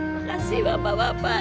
makasih bapak bapak